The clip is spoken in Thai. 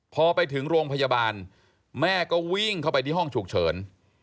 พอไปถึงโรงพยาบาลแม่ก็วิ่งเข้าไปที่ห้องฉุกเฉิน